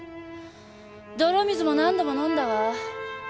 泥水も何度も飲んだわ。